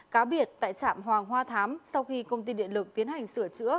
cá biệt tại trạm hoàng hoa thám sau khi công ty điện lực tiến hành sửa chữa